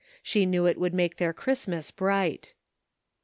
She knew it would make their Christmas bright.